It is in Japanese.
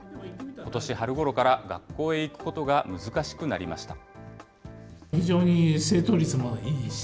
ことし春ごろから学校へ行くことが難しくなりました。